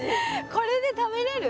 これで食べれる？